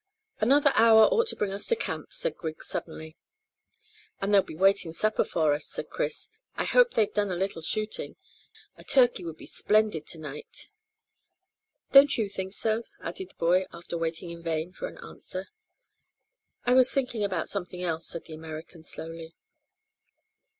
"Another hour ought to bring us to camp," said Griggs suddenly. "And they'll be waiting supper for us," said Chris. "I hope they have done a little shooting. A turkey would be splendid to night. Don't you think so?" added the boy, after waiting in vain for an answer. "I was thinking about something else," said the American slowly.